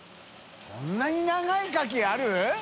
こんなに長いカキある？